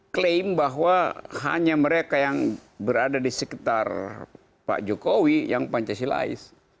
klaim bahwa hanya mereka yang berada di sekitar pak jokowi yang pancasilais